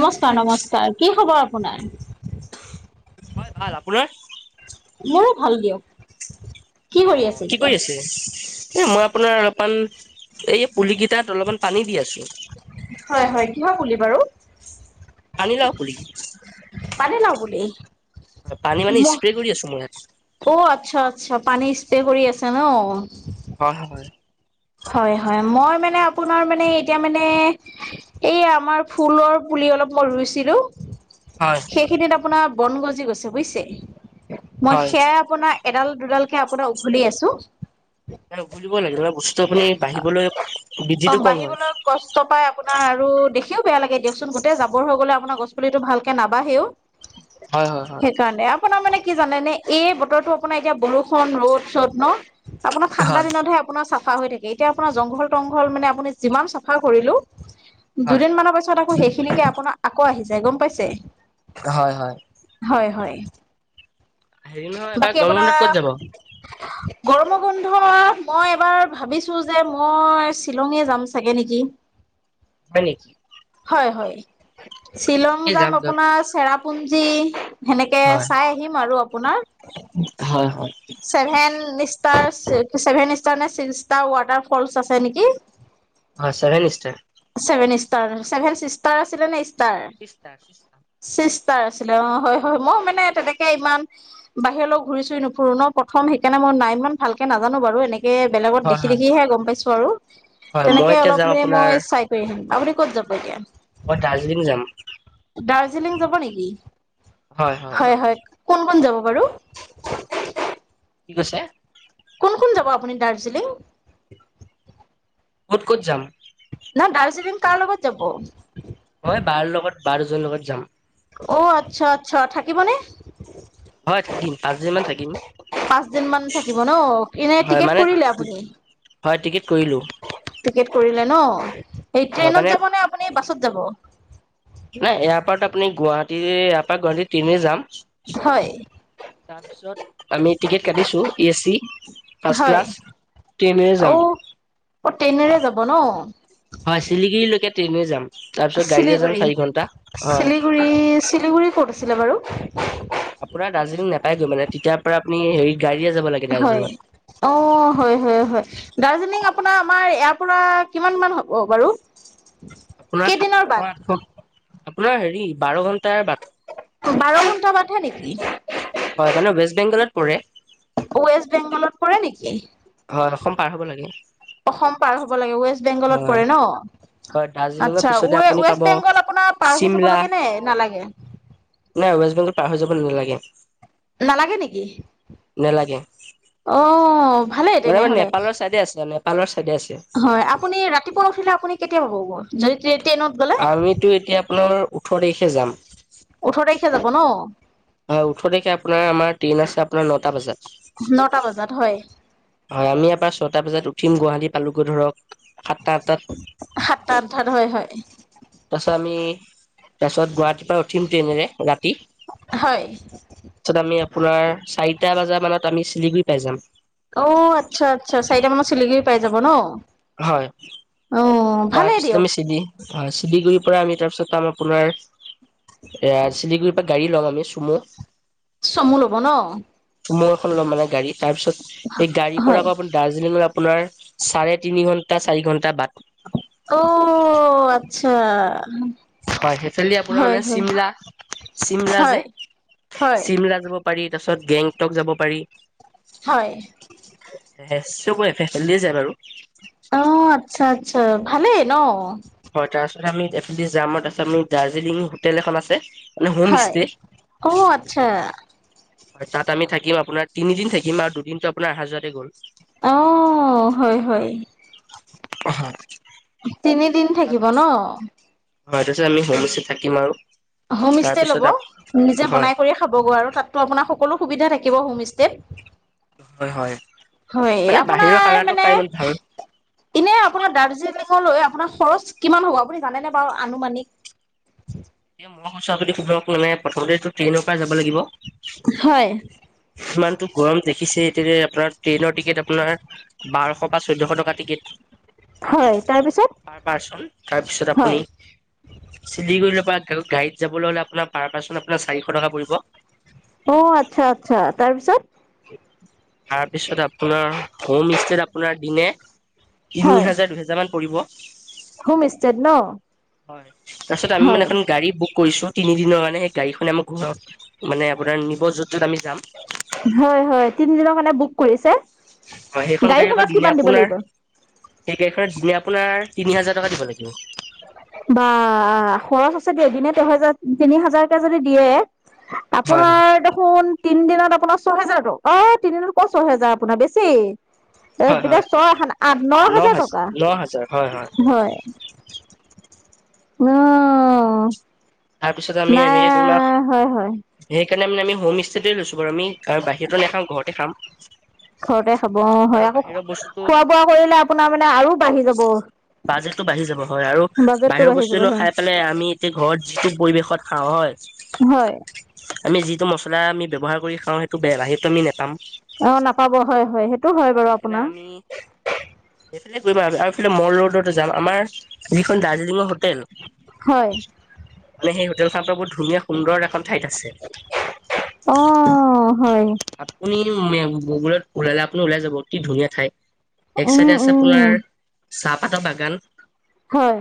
নমস্কাৰ নমস্কাৰ, কি খবৰ আপোনাৰ? হয় ভাল, আপোনাৰ? মোৰো ভাল দিয়ক। কি অ, কৰি কি এতিয়া? কৰি আছে? এ মই আপোনাৰ অলপমান এই পুলি কেইটাত অলপমান পানী দি আছো। হয়, হয়, কিহৰ পুলি বাৰু? পানীলাও পুলি। পানীলাও পুলি? পানী মানে ম স্প্ৰে কৰি আছো মই ইয়াত। অ, আচ্ছা-আচ্ছা পানী স্প্ৰে কৰি আছে ন। হ হয়। হয়, হয়, মই মানে আপোনাৰ মানে এতিয়া মানে এই আমাৰ ফুলৰ পুলি অলপ মই ৰুইছিলো। সেইখিনিত আপোনাৰ বন গজি গৈছে বুজিছে, মই হয় সেয়াই আপোনাৰ এডাল দুডালকে আপোনাৰ উঘলি আছো। উঘুলিবি লাগিব মানে বস্তুটো আপুনি বাঢ়িবলৈ অ বৃদ্ধিটো কম হয়। বাঢ়িবলৈ কষ্ট পাই আপোনাৰ আৰু দেখিও বেয়া লাগে দিয়কচোন গোটেই জাবৰ হৈ গ'লে আপোনাৰ গছ পুলিটো ভালকে নাবাঢ়েও। হয়, হয়, হয়। কাৰণে আপোনাৰ মানে কি জানে নে এই বতৰটো আপোনাৰ এতিয়া বৰষুণ ৰ'দ-চ'দ ন। আপোনাৰ ঠাণ্ডা হয় দিনতহে আপোনাৰ চাফা হৈ থাকে, এতিয়া আপোনাৰ জংঘল-টংঘল মানে আপুনি যিমান চাফা কৰিলো হয় দুদিনমানৰ পিছত আকৌ সেইখিনিকে আপোনাৰ আকৌ আহি যায় গম পাইছে। হয় হয় হয় হয়, হয়। হেৰি নহয় এইবাৰ গৰমত ক'ত যাব? গৰমৰ বন্ধত মই এবাৰ ভাবিছো যে মই শ্বিলঙে যাম চাগে নেকি। হয় নেকি? হয়, হয়, শ্বিলং যাম আপোনাৰ চেৰাপুঞ্জী সেনেকে হয় চাই আহিম আৰু আপোনাৰ হয় হয় ছেভেন ষ্টাৰ্ছ ছেভেন ষ্টাৰ নে ছি তাৰ ৱাটাৰ ফল্ছ আছে নেকি। হয় seven star. Seven star, seven sister আছিলে নে ষ্টাৰ? চিষ্টাৰ চি চিষ্টাৰ আছিলে অ, হয়, হয়, মই মানে তেনেকে ইমান বাহিৰলৈ ঘূৰি-চুৰি নুফুৰো ন, প্ৰথম সেইকাৰণে মই নাই সেইকাৰণে ইমান ভালকে নাজানো বাৰু এনেকে বেলেগত দে হয় হয় হে গম পাইছো আৰু, হয় মই তেনেকে এতিয়া যাম অলপ মানে আপোনাৰ মই চাই কৰি আহিম, আপুনি ক'ত যাব এতিয়া? মই দাৰ্জিলিং যাম। দাৰ্জিলিং যাব নেকি? হয়, হয়, কোন-কোন যাব বাৰু? কি কৈছে? কোন-কোন যাব আপুনি দাৰ্জিলিং? ক'ত-ক'ত যাম? না দাৰ্জিলিং কাৰ লগত যাব? মই বাৰ লগত বাৰজনৰ লগত যাম। অ, আচ্ছা-আচ্ছা থাকিবনে? হয় থাকিম, পাঁচদিন মান থাকিম। পাঁচদিন মান থাকিব ন, এনে হয় টিকেট মানে কৰিলে আপুনি? হয় টিকেট কৰিলোঁ। টিকেট কৰিলে ন এই হয় মানে ট্ৰেইনত যাব নে আপুনি বাছত যাব নাই ইয়াৰ পৰা আপুনি গুৱাহাটী ইয়াৰ পৰা গুৱাহাটী তিনি যাম হয় তাৰপিছত আমি টিকেট কাটিছো এ চি ফাৰ্ষ্ট হয় ক্লাছ অ টেনেজাম অ ট্ৰেইনেৰে যাব ন হয় শিলগিৰিলৈকেট্ৰেইনে যাম তাৰপিছত গাড়ীৰে যাম চিলিগুৰি চাৰি ঘন্টা হয় চিলিগুৰি চিলিগুৰি ক'ত আছিলে বাৰু আপোনাৰ দাৰ্জিং নাইৈ মানে তেতিয় পৰাপনি হেৰি গড়ীয়ে যাব লাগে হয় দাৰ্জিলিঙত অ হয় হয় হয় দাৰ্জিলিং আপোনাৰ আমাৰ ইয়াৰ পৰা কিমান মান হ'ব বাৰু [unintelligible] আপোনাৰ কেইদিনৰ সাতশ বাট আঠশ আপোনাৰ হেৰি বাৰ ঘন্টাৰ বাট বাৰ ঘণ্টাটা পাঠা নেকি হয় মানে ৱেষ্ট বেংগলত পৰে ৱেষ্ট বেংগলৰ পৰে নেকি হয় অসম অসম পাৰ হ'ব লাগে অসম পাৰ হ'ব লাগে ৱেষ্ট বেংগলত হয় পৰে ন হয় দাৰ্জিলিঙৰ আচ্ছা পিছতে আপুনি পাব ৱেষ্ট বেংগল আপোনাৰ পাৰ হৈ যাব চিমলা লাগে নে নালাগে নাই ৱেষ্ট বেংগল পাৰ হৈ যাব নালাগে নালাগে নেকি নালাগে অ ভাল মানে তেনেহ আমাৰ নেপালৰ চাইডে আছে নেপালৰ চাইডে আছে হয় আ পুৱ উঠিল আপুনি কেতিয়া পাব যদি ট্ৰেইনত গ'লে আমিতো এতিয়া আপোনাৰ ওঠৰ তাৰিখে যাম ওঠৰ তাৰিখে যাব ন হয় ওঠৰ তাৰিখে আপোনাৰ আমাৰ ট্ৰেইন আছে আপোনাৰ নটা বজাত নটা বজাত হয়। হয় আমি আাৰ পৰা ছয়টা বজাত উঠিম গুৱাহাটী পালোগৈ ধৰক সাতটা আঠটাত সাতটা আঠঠাত হয় হয়। তাৰপাছত আমি তাৰপিাছত গুৱাহাটীৰ পৰা উঠিম ট্ৰেইনেৰে ৰাতি হয় তাৰপছত আমি আপোনাৰ চাৰিটা বজা মানত আমি চিলিগুৰি পাই যাম। অ', আচ্ছা আচ্ছা চাৰিটা মানত চিলিগুৰি পাই যাব ন হয়। অ', ভালেই তাৰপিছত দিয়ক আমি চিলি অ', চিলিগুৰি এ চিলিগুডৰিৰ পৰা গাড়ী ল'ম আমি চুমু চমু ল'ব ন মৌ এখন ল'ম মানে গাড়ী তাৰ পিছত সেই গাড়ীৰ পৰা হয় আকৌপ দাৰ্জিলিঙত আপোনাৰ চাৰে তিনি ঘণ্টা চাৰি ঘন্টা বাট অ আচ্ছা হয় সেইফালি আপোনাৰ হয় মানে হয় চিমলা চিমলা যে হয় হয় চিমলা যাব পাৰি তাৰ পিছত গেংটক যাব পাৰি হয়। চবফে খেলিয়ে যায় বাৰু অ আচ্ছা আচ্ছা ভালেই ন হয় তাৰপিছত আমি এইফালেদি যাম ড়দৰেত আ আমি দাৰ্জিলিং হোটেল এখন আছে ন হোম হয় ষ্টে অ আচ্ছা হয় তাত আমি থাকিম আপোনাৰ তিনিদিন থাকিম আৰু দুদিনটো আপোনাৰ আহা যোৱাতে গ'ল। অ হয় হয় হয় তিনিদিন থাকিব ন হয় তাৰ পিছত আমি হোমষ্টে থাকিম আৰু হোমষ্টে ল'ব তাৰপিছত নিজে হয় বনাই কৰিয়ে খাবগৈ আৰু তাতো আপোনাৰ সকলো সুবিধা থাকিব হোম ষ্টেত হয় হয় হয় মানে বাহিৰৰ আপোনাৰ খানাটো মানে খাই ইমান ভাল এনে আপোনাৰ দাৰ্জিলিঙলৈ আপোনাৰ খৰচ কিমান হ'ব আপুনি জানেনে বাৰু আনুমানিক এ মই কৈছো আপুনি ধৰক মানে প্ৰথমতে ট্ৰেইনৰ পৰা যাব লাগিব হয় ইমানটো গৰম দেখিছে এতিয়া আপোনাৰ ট্ৰেইনৰ টিকেট আপোনাৰ বাৰশ বা চৈধ্যশ টকা টিকেট হয় তাৰপিছত পাৰ পাৰ্চন তাৰপিছত হয় আপুনি চিলিগুৰিলে বা আৰু গাড়ীত যাবলৈ হ'লে আপোনাৰ পাৰ পাৰ্চন আপচাৰিশ টকা পৰিব। অ আচ্ছা আচ্ছা তাৰপিছত [unintelligible] তাৰপিছত আপোনাৰ হোমষ্টেত আপোনাৰ দিনে তিনি হয় হাজাৰ দুহেজাৰ মান পৰিব। হোম ষ্টেত ন হয় তাৰপিছত আমি হয় মানে এখন গাড়ী বুক কৰিছো তিনি দিনৰ কাৰণে গাড়ীখনে আমাৰ ঘৰত মানে আপোনাৰ নিব য'ত য'ত আমি যাম। হয় হয় তিনিদিনৰ কাৰণে বুক কৰিছে হয় সেইখন গাড়ী আকৌ গাড়ীখনত দিনে কিমান দিব আপোনাৰ লাগিব? সেই গাড়ীখনত দিনে আপোনাৰ তিনি হাজাৰ টকা দিব লাগিব। বা খৰচ আছে দে দিনে তেহেজাৰ তিনি হাজাৰকে যদি দিয়ে হয় হয় আপোনাৰ দেখোন তিন দিনত আপোনাৰ ছহেজাৰ ত অ', তিনদিনত কত ছয়হেজাৰ আপোনাৰ বেছি তাৰপিছত হয় পিতাই হয় ছয় আঠ ন হাজাৰ হাজ টকা ন হাজাৰ হয় হয় ন তাৰপিছত আমি নাই এনেকে কৰিম‌ আও হয় হয় সেইকাৰণে মানে আমি হোমষ্টেতে লৈছো বাৰু আমি আৰু বাহিৰতো নাখাও ঘৰতে খাম। ঘৰতে খাব অ আৰু হয় আকৌ বাহিৰৰ বস্তুটো খোৱা বোৱা কৰিলে আপোনাৰ মানে আৰু বাঢ়ি যাব। বাজেটতো বাঢ়ি যাব হয় আৰু বাজেটটো বাহিৰৰ বাঢ়ি যাব বস্তুনো হয় খাই পেলাই আমি এতিয়া ঘৰত যি টো পৰিৱেশত খাও হয় হয় আমি যিটো মছলা আমি ব্যৱহাৰ কৰি খাও সেইটো বেয়া সেইটো আমি নোপাম অ নাপাব হয় হয় সেই সেইকাৰনে আমি সেইফালে কৰিম আৰু আৰু এইফালে মল ৰোডতো যাম আমাৰ যিখন দাৰ্জিলিঙৰ হো টেল‌ হয় ‌মানে সেই হোটেলখন আপোনাৰ বহুত ধুনীয়া সুন্দৰ এখন ঠাইত আছে অ হয় আপুনি মে গুগলত ওলালে আপুনি ওলাই যাব কি ধুনীয়া ঠাই এক উম চাইডে আছে উম আপোনাৰ চাহপাতৰ বাগান হয়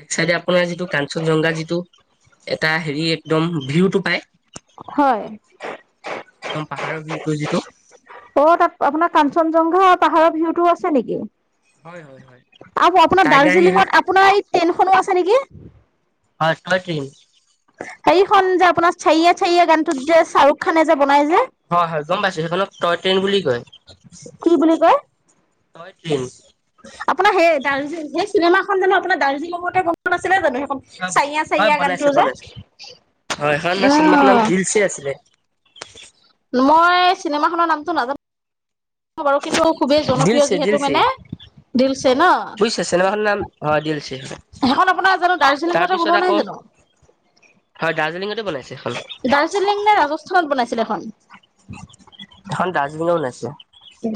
এক চাইডে আপোনাৰ যিটো কাঞ্চনজংঘা যিটো এটা হেৰি একদম ভিউটো পায় হয় একদম পাহাৰৰ ভিউটো যিটো অ তাত আপোনাৰ কাঞ্চনজংঘা পাহাৰৰ ভিউতটো আছে নেকি হয় হয় হয় আ আপোনাৰ টাইগাৰ হিল দাৰ্জিলিঙত আপোনাৰ এই ট্ৰেইনখনো আছে নেকি হয় কালাকে হেখনন যে আপোনাৰ চাৰিয়ে চাৰিয়ে গানটোত যে শ্বাহৰুখ খানে যে বনাই যে হয় হয় গম পাইছো সেইখনক টয় ট্ৰেইন বুলি কয় কি বুলি কয় টয় ট্ৰেইন আপোনাৰ সেই দাৰ্জিলিং সেই চিনেমাখন জানো আপোনাৰ দাৰ্জিলিঙতে গম নাছিলে জানো সেইখন চাইয়াা হয় চাইয়া বনাইছে গানটোজে‌ বনাইছে উম কি আছিল মই চিনেমাখনৰ নামটো নাজানো বাৰু কিন্তু খুবেই জনপ্ৰিয় দিলছে যিহেতু দিলছে মানে দিলছে ন বুজিছে চিনেমাখনৰ ন দিলছে সেইখন আপোনাৰ জানো দাৰ্জিলিঙতে তাৰপিছত কোননোৱা নাই আকৌ জানো হয় দাৰ্জিলিঙতে বনাইছে সখন ডাৰজিলিং নে ৰাজস্থান বনাইছিলে এখন এখন ডাৰজিলিং ত বনাইছে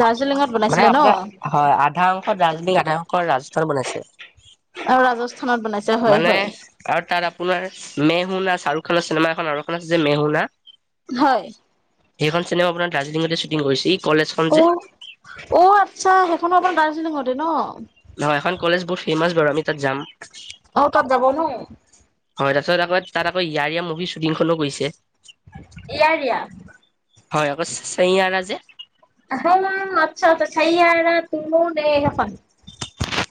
দাৰ্জিলিঙত মানে বনাইছিলে ন আপোনাৰ হয় আধা অংশ ৰাজজনী আধা অংশ ৰাজস্থানত বনাইছে আৰু ৰাজস্থানত বনাইছে হয় মানে হয় আৰু তাত আপোনাৰ মেহুনা শ্বাহৰুখ খানৰ চিনেমা এখন আৰু এ আছে যে মেহুনা হয় সেইখন চিনেমা আপোনাৰ দাৰ্জিলিঙতে শ্বুটিং কৰিছে ই কলেজখন যে অ' অ আচ্ছা সেইখনো আপোনাৰ দাৰ্জিলিঙতে ন নহয় এখন কলেজ বহুত ফেমাচ বাৰু আমি তাত যাম অ তাত যাবনো হয় তাৰপিছত আকৌ তাত আকৌ ইয়াৰীয়া মুভি শ্বুটিংখনো কৰিছে ইয়াৰিয়া হয় আকৌ চে ইয় যে হ মছ ত চেইয়া তুমো নেখন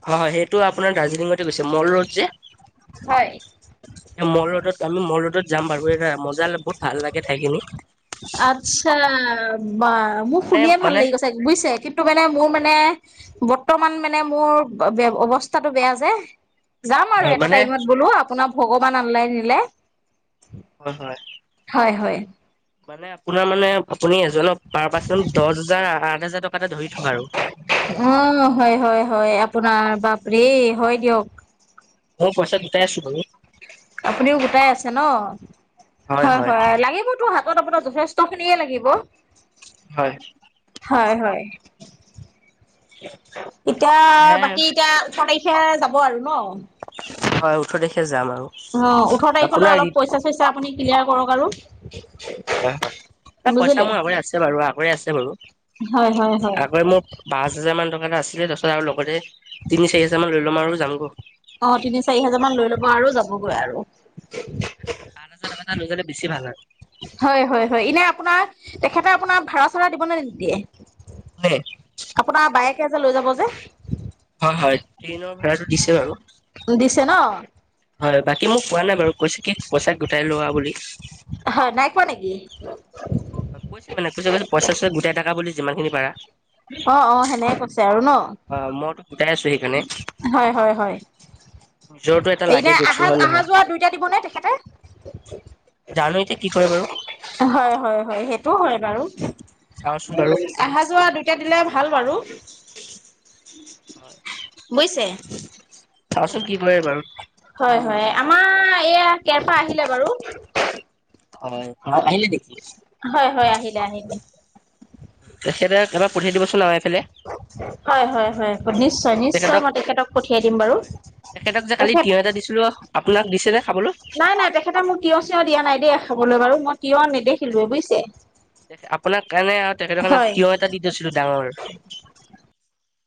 হয় হয় সেইটো আপোনাৰ দাৰ্জিলিঙতে গৈছে মল ৰোড যে হয় এ মল ৰোদত আমি মল ৰোডত যাম বাৰু এ মজা বহুত ভাল লাগে ঠাইখিনি আচ্ছা বা মোক মানে শুনিয়ে ভাল মানে লাগিছে বুজিছে কিন্তু মানে মোৰ মানে বৰ্তমান মানে মোৰ অৱস্থাটো বেয়া যে যাম আৰু হয় এটা মানে টাইমত বোলো আপোনাৰ ভগৱান আনলাই নিলে হয় হয় হয় হয় মানে আপোনাৰ মানে আপুনি এজনক পাৰ পাৰ্চন দহ হাজাৰ আঠ হাজাৰ টকাটা ধৰি থক আৰু অ হয় হয় হয় আপোনাৰ বাপৰে হয় দিয়ক মই পইচা গটাই আছো বাৰু আপুনিও গোটাই আছে ন হয় হয় লাগিব তোৰ হাত আত আপোনাক যথেষ্ট খিনিয়ে লাগিব হয় হয় হয়, এতিয়া হে বাকী এতিয়া ওঠৰ তাৰিখে যাব আৰু ন? হয়, ওঠৰ তাৰিখে যাম আৰু। অ ওঠৰ তাৰিখলৈ আপোনাৰ অলপ পইচা - চইচা আপুনি ক্লিয়াৰ কৰক আৰু। হয় হয়, এ পইচা বুজিলে মোৰ আগৰে আছে বাৰু আগৰে আছে বাৰু হয় হয় হয় আগৰে মোৰ পাচ হাজাৰমান টকা এটা আছিলে তাৰ পাছত আৰু লগতে তিনি - চাৰি হাজাৰমান লৈ ল'ম আৰু যাম গ'। অ তিনি, চাৰি হাজাৰমান লৈ ল'ব আৰু যাবগৈ আৰু। সাত হাজাৰ টকা এটা লৈ গলে বেছি ভাল হয়। হয় হয় হয় এনে আপোনাৰ তেখেতে আপোনাৰ ভাড়া - চাঢ়া দিবনে নিদিয়ে? দেই আপোনাৰ বায়েকে যে লৈ যাব যে। হয় হয়, ট্ৰেইনৰ ভাড়াটো দিছে বাৰু। দিছে ন হয়, বাকী মোক কোৱা নাই বাৰু কৈছে কি পইচা গোটাই লোৱা বুলি। হয় নাই কোৱা নেকি? অ কৈছে মানে কৈছে গলে পইচা - চইচা গোটাই টাকা বুলি যিমানখিনি পাৰা। ক অ সেনেকে কৈছে আৰু ন। অ মইতো গোটাই আছো সেইকাৰণে। হয় হয় হয় নিজৰটো এটা লাগে এতিয়া দিয়কচোন আহা হয় আহা নহয় যোৱা দুইটা দিবনে তেখেতে? জানো এতিয়া কি কৰে বাৰু? হয় হয় হয় সেইটো হয় বাৰু। চাওঁচোন ভাল বাৰু লাগিছ আহা যোৱা দুইটা দিলে ভাল বাৰু। হয়। বুজিছে? [inaudible] কি কৰে বাৰু? হয় হয় আমাৰ এইয়া কেৰপা আহিলে বাৰু। হয়, অ আহিলে নেকি? হয় হয় আহিলে আহিলে। এ সেইটোৱে কিবাত হয় হয় হয়, নিশ্চয় নিশ্চয় মই তেখেতক পঠিয়াই দিম বাৰু। হয় তেখেতক যে কালি তেখেত তিয়হ এটা দিছিলো আপোনাক দিছে নে খাবলৈ? নাই নাই তেখেতে মোক তিয়হ- চিয়হ দিয়া নাই দেই খাবলৈ বাৰু, মই তিয়হ নেদেখিলো বুজিছে? তেখে আপোনাৰ কাৰণে আৰু তেখেতৰ কাৰণে হয় তিয়হ এটা দি থৈছিলো ডাঙৰ।